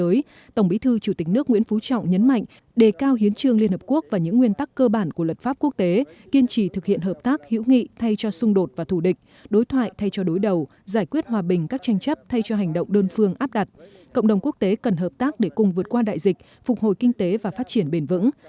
ngày hai mươi bốn tháng chín theo giờ new york mỹ tổng bí thư chủ tịch nước nguyễn phú trọng nhấn mạnh đề cao hiến trương liên hợp quốc và những nguyên tắc cơ bản của luật pháp quốc tế kiên trì thực hiện hợp tác hữu nghị thay cho xung đột và thủ địch đối thoại thay cho đối đầu giải quyết hòa bình các tranh chấp thay cho hành động đơn phương áp đặt cộng đồng quốc tế cần hợp tác để cùng vượt qua đại dịch phục hồi kinh tế và phát triển bền vững